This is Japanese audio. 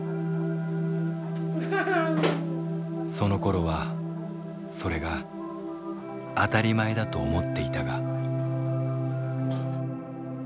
そのころはそれが当たり前だと思っていたが。